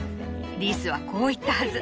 リスはこう言ったはず。